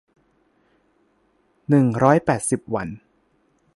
หนึ่งร้อยแปดสิบ วัน